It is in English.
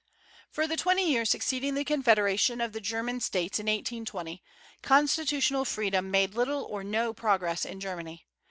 For the twenty years succeeding the confederation of the German States in 1820, constitutional freedom made little or no progress in Germany.